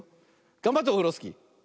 がんばってオフロスキー。